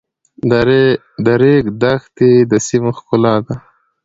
د ریګ دښتې د سیمو ښکلا ده.